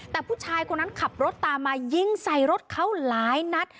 แต่ผู้ชายคนนั้นขับรถตามมายิงใส่รถเขาหลายนัด